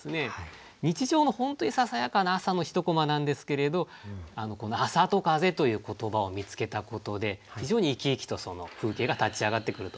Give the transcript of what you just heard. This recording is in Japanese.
日常の本当にささやかな朝の一こまなんですけれどこの「朝戸風」という言葉を見つけたことで非常に生き生きとその風景が立ち上がってくると思います。